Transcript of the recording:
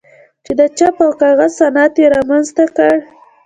چې د چاپ او کاغذ صنعت یې رامنځته کړ.